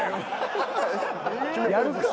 やるかぁ。